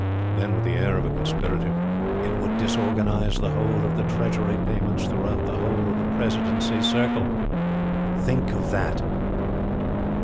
Then, with the air of a conspirator: "It would disorganize the whole of the Treasury payments throughout the whole of the Presidency Circle! Think of that?"